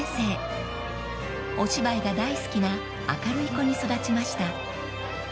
［お芝居が大好きな明るい子に育ちました］